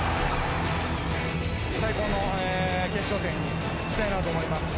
最高の決勝戦にしたいなと思います。